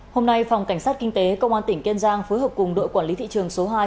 hôm nay phòng cảnh sát kinh tế công an tỉnh kiên giang phối hợp cùng đội quản lý thị trường số hai